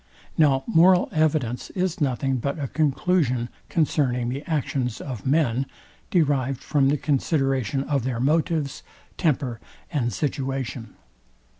Now moral evidence is nothing but a conclusion concerning the actions of men, derived from the consideration of their motives, temper and situation.